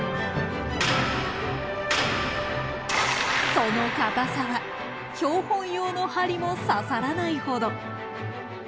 その硬さは標本用の針も刺さらないほど。